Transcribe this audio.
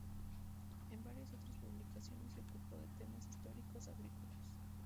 En varias otras publicaciones, se ocupó de temas históricos agrícolas.